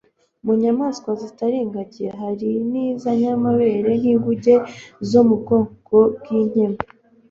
Mu nyamaswa zitari ingagi hari iz'inyamabere nk'inguge zo mu bwoko bw'inkima,